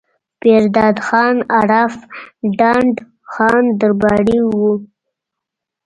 پير داد خان عرف ډنډ خان درباري وو